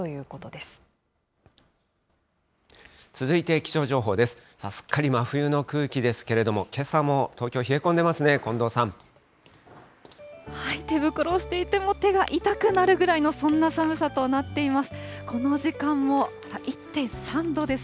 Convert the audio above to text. すっかり真冬の空気ですけれども、けさも東京、冷え込んでますね、手袋をしていても手が痛くなるぐらいの、そんな寒さとなっています。